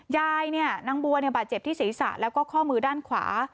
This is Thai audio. ยายเนี่ยนางบัวบาดเจ็บที่ศีรษะแล้วก็ข้อมือด้านขวา